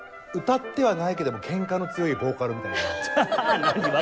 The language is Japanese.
歌ってはないけどもケンカの強いヴォーカルみたいな。